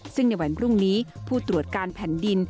ซึ่งในวันพรุ่งนี้ผู้ตรวจการแผ่นดิน